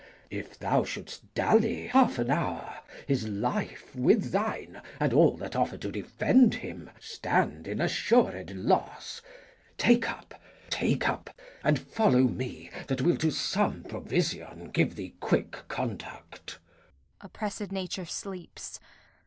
If thou shouldst dally half an hour, his life, With thine, and all that offer to defend him, Stand in assured loss. Take up, take up! And follow me, that will to some provision Give thee quick conduct. Kent. Oppressed nature sleeps.